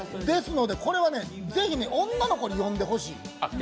ですので、これはぜひ女の子に読んでほしい。